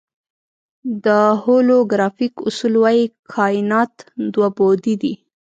د هولوګرافیک اصول وایي کائنات دوه بعدی دی.